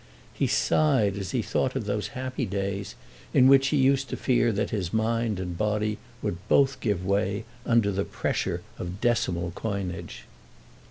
He sighed as he thought of those happy days in which he used to fear that his mind and body would both give way under the pressure of decimal coinage.